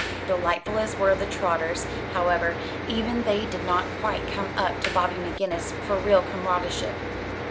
Delightful as were the Trotters, however, even they did not quite come up to Bobby McGinnis for real comradeship.